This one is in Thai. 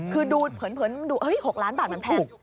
คือดูเผินดู๖ล้านบาทมันแพง